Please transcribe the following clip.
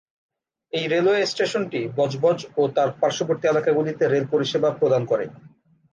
এই রেলওয়ে স্টেশনটি বজবজ ও তার পার্শ্ববর্তী এলাকাগুলিতে রেল পরিষেবা প্রদান করে।